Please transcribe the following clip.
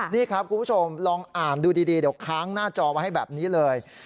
นี่ครับคุณผู้ชมลองอ่านดูดีเดี๋ยวค้างหน้าจอไว้ให้แบบนี้เลย